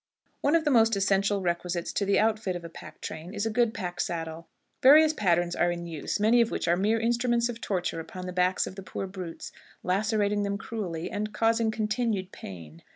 One of the most essential requisites to the outfit of a pack train is a good pack saddle. Various patterns are in use, many of which are mere instruments of torture upon the backs of the poor brutes, lacerating them cruelly, and causing continued pain.